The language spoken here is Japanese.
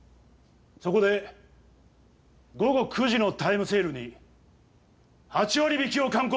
そこで午後９時のタイムセールに８割引きを敢行する！